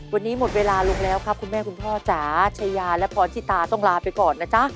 วันนี้หมดเวลาลงแล้วครับคุณแม่คุณพ่อจ๋าชายาและพรชิตาต้องลาไปก่อนนะจ๊ะ